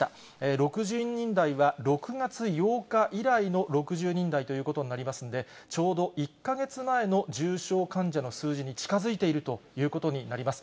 ６０人台は６月８日以来の６０人台ということになりますので、ちょうど１か月前の重症患者の数字に近づいているということになります。